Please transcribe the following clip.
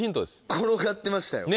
転がってましたよ。